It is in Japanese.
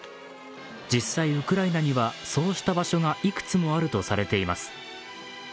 実際、ウクライナにはそうした場所がいくつもあるとされています。